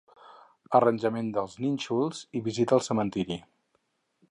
Arranjament dels nínxols i visita al cementiri.